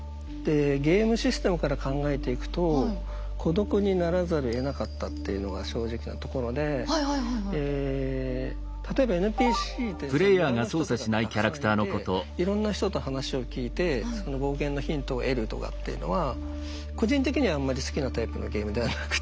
ゲームシステムから考えていくと孤独にならざるをえなかったっていうのが正直なところで例えばＮＰＣってその村の人とかがたくさんいていろんな人と話を聞いてその冒険のヒントを得るとかっていうのは個人的にはあんまり好きなタイプのゲームではなくて。